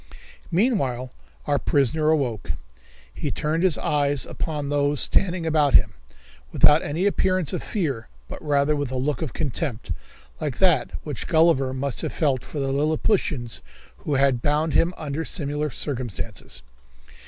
Meanwhile our prisoner awoke. He turned his eyes upon those standing about him, without any appearance of fear, but rather with a look of contempt, like that which Gulliver must have felt for the Lilliputians who had bound him under similar circumstances.